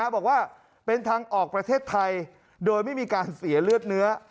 บอกว่าเป็นทางออกประเทศไทยโดยไม่มีการเสียเลือดเนื้อ